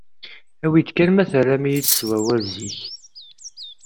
Awi-d ukkan ma terram-iyi-d s wawal zik.